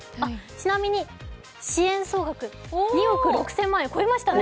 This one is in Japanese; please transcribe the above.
ちなみに支援総額２億６０００万円を超えましたね。